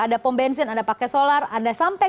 ada pom bensin anda pakai solar anda sampai